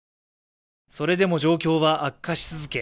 それでも状況は悪化し続け